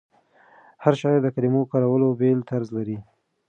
هر شاعر د کلمو کارولو بېل طرز لري.